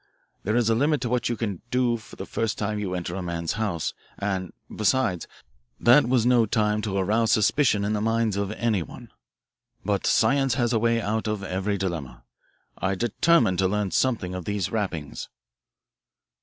There is a limit to what you can do the first time you enter a man's house, and, besides, that was no time to arouse suspicion in the mind of anyone. But science has a way out of every dilemma. I determined to learn something of these rappings."